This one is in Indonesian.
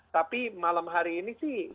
tapi malam hari ini sih